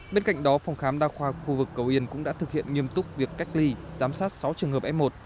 bên cạnh đó phòng khám đa khoa khu vực cầu yên cũng đã thực hiện nghiêm túc việc cách ly giám sát sáu trường hợp f một